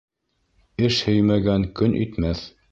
Эш һөймәгән көн итмәҫ.